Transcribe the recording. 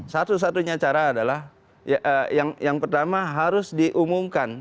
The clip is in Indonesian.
satu satunya cara adalah yang pertama harus diumumkan